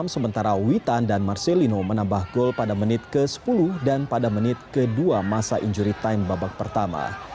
sementara witan dan marcelino menambah gol pada menit ke sepuluh dan pada menit kedua masa injury time babak pertama